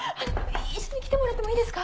一緒に来てもらってもいいですか？